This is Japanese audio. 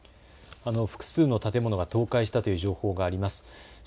複数の建物が倒壊したという情報があります。